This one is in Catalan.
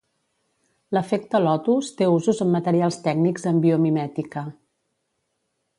L'efecte lotus té usos en materials tècnics en biomimètica.